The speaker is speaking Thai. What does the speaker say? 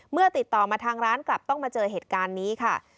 ติดต่อมาทางร้านกลับต้องมาเจอเหตุการณ์นี้ค่ะ